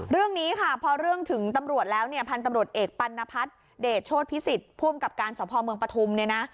เรื่องนี้ค่ะพอเรื่องถึงตำรวจแล้วเนี่ยพันธุ์ตำรวจเอกปัณพัฒน์เดชโชธพิสิทธิ์ผู้อำกับการสพเมืองปฐุมเนี่ยนะ